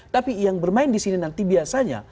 tapi yang bermain disini nanti biasanya